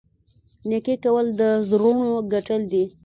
نیکي کول د زړونو ګټل دي.